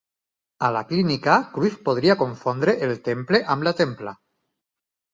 A la clínica, Cruyff podria confondre el temple amb la templa.